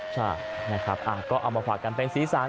ใช่นะครับอ่าก็เอามาขวากกันไปซีสัน